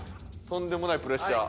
とんでもないプレッシャー。